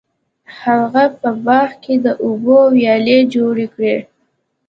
هغه په باغ کې د اوبو ویالې جوړې کړې.